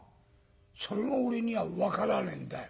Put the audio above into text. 「それが俺には分からねえんだよ。